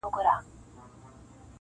په لېمو کي راته وایي زما پوښتلي جوابونه,